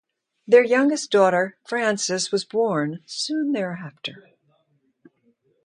Their younger daughter, Frances, was born soon thereafter.